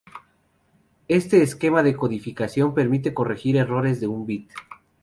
Este esquema de codificación permite corregir errores de un bit.